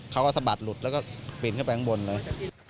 สะบัดหลุดแล้วก็ปีนขึ้นไปข้างบนเลย